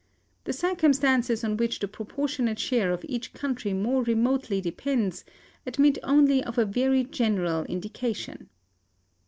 The circumstances on which the proportionate share of each country more remotely depends admit only of a very general indication."